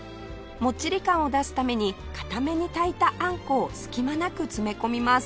もっちり感を出すために硬めに炊いたあんこを隙間なく詰め込みます